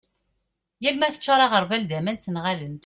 yal ma teččar aγerbal d aman ttenγalen-d